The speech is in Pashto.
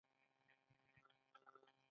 ایا غواړئ چې ځوان پاتې شئ؟